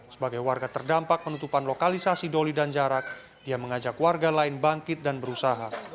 sebagai warga terdampak penutupan lokalisasi doli dan jarak dia mengajak warga lain bangkit dan berusaha